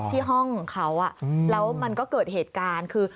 ที่ห้องเขาแล้วมันก็เกิดเหตุการณ์คือ